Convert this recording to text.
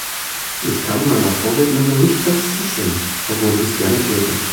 Ich kann meiner Vorrednerin nicht ganz zustimmen, obwohl ich es gerne täte.